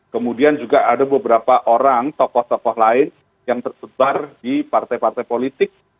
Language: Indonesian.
kemudian juga ada beberapa orang tokoh tokoh lain yang tersebar di partai partai politik